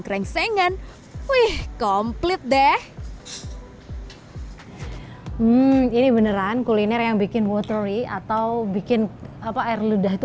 krengsengan wih komplit deh ini beneran kuliner yang bikin watery atau bikin apa air ludah itu